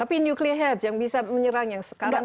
tapi nuklir yang bisa menyerang yang sekarang sering